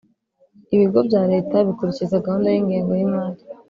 ibigo bya Leta bikurikiza gahunda y ingengo y imari